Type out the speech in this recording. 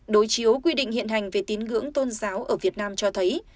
đối chiếu quy định hiện hành về tín ngưỡng tôn giáo ở việt nam cho thấy